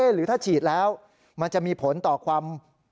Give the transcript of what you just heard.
หรือถ้าฉีดแล้วมันจะมีผลต่อความ